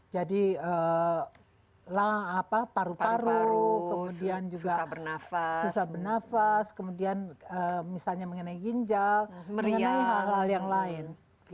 jadi paru paru kemudian juga susah bernafas kemudian misalnya mengenai ginjal mengenai hal hal yang lain